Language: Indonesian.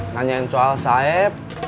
nanyain soal saeb